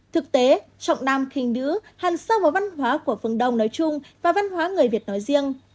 thực tế trọng nam kinh đứa hàn sâu vào văn hóa của phương đông nói chung và văn hóa người việt nói riêng